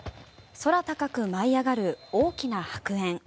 空高く舞い上がる大きな白煙。